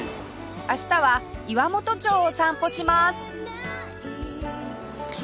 明日は岩本町を散歩します